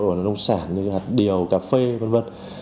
hoặc là nông sản như là hạt điều cà phê v v